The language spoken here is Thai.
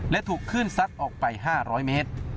และถูกขึ้นซัดออกไปห้าร้อยเมตร